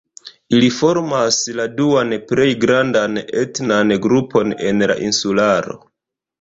Ili formas la duan plej grandan etnan grupon en la insularo.